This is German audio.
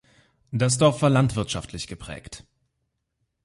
Das Dorf war landwirtschaftlich geprägt.